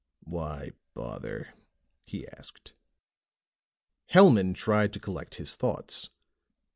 "Why bother?" he asked. Hellman tried to collect his thoughts.